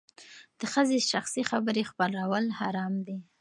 د ښځې شخصي خبرې خپرول حرام دي.